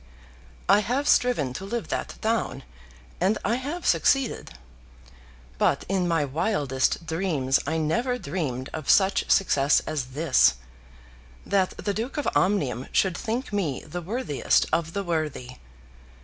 I have striven to live that down, and I have succeeded. But in my wildest dreams I never dreamed of such success as this, that the Duke of Omnium should think me the worthiest of the worthy.